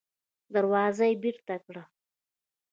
دروازه يې بېرته کړه.